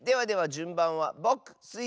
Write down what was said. じゅんばんはぼくスイ